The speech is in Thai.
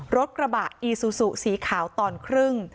รถกระบะอีซูซูสีขาวตอนครึ่ง